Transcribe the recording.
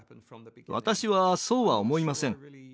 私はそうは思いません。